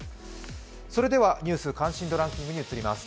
それでは「ニュース関心度ランキング」に移ります。